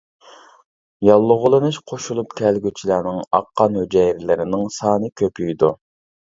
ياللۇغلىنىش قوشۇلۇپ كەلگۈچىلەرنىڭ ئاق قان ھۈجەيرىلىرىنىڭ سانى كۆپىيىدۇ.